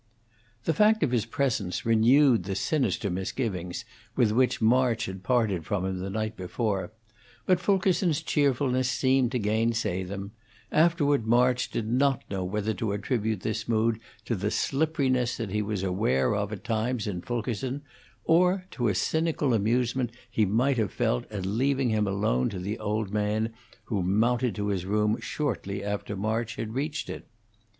The fact of his presence renewed the sinister misgivings with which March had parted from him the night before, but Fulkerson's cheerfulness seemed to gainsay them; afterward March did not know whether to attribute this mood to the slipperiness that he was aware of at times in Fulkerson, or to a cynical amusement he might have felt at leaving him alone to the old man, who mounted to his room shortly after March had reached it.